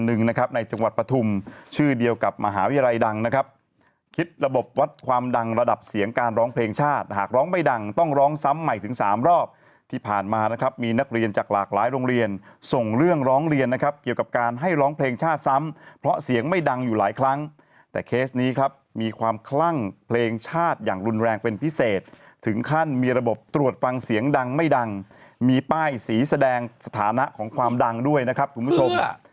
หนึ่งนะครับในจังหวัดปฐุมชื่อเดียวกับมหาวิรัยดังนะครับคิดระบบวัดความดังระดับเสียงการร้องเพลงชาติหากร้องไม่ดังต้องร้องซ้ำใหม่ถึง๓รอบที่ผ่านมานะครับมีนักเรียนจากหลากหลายโรงเรียนส่งเรื่องร้องเรียนนะครับเกี่ยวกับการให้ร้องเพลงชาติซ้ำเพราะเสียงไม่ดังอยู่หลายครั้งแต่เคสนี้ครับมีความคล